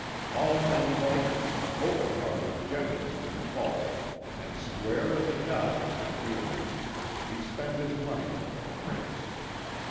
All men liked him open hearted, generous to the fault, and square as a die in his dealings, he spent his money like a prince.